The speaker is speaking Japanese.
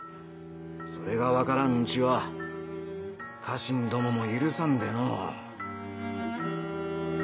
それが分からんうちは家臣どもも許さんでのう。